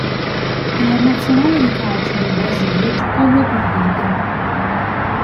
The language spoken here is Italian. Nella Nazionale di calcio del Brasile giocò due partite.